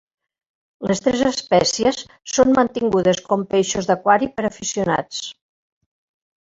Les tres espècies són mantingudes com peixos d'aquari per aficionats.